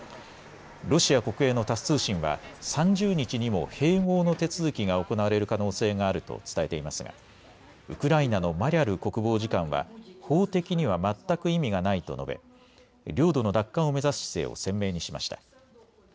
ロシア国営のタス通信は３０日にも併合の手続きが行われる可能性があると伝えていますがウクライナのマリャル国防次官は法的には全く意味がないと述べ、領土の奪還を目指す姿勢を鮮明にしました。